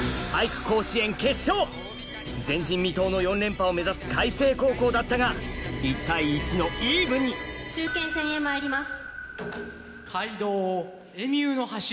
前人未到の４連覇を目指す開成高校だったが１対１のイーブンに中堅戦へまいります。